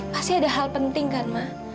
pasti ada hal penting kan ma